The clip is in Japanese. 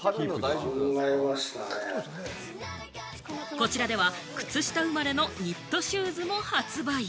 こちらではくつした生まれのニットシューズも発売。